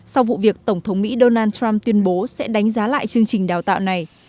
sau vụ việc tổng thống mỹ donald trump tuyên bố sẽ đánh giá lại chương trình đào tạo này